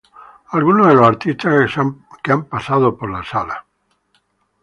Algunos de los artistas que han pasado por la Sala.